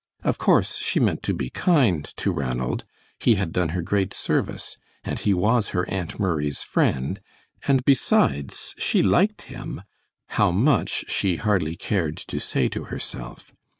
Of course she meant to be kind to Ranald; he had done her great service, and he was her Aunt Murray's friend, and besides, she liked him; how much she hardly cared to say to herself.